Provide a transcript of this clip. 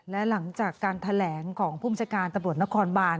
และหลังจากการแถลงของภูมิชาการตำรวจนครบาน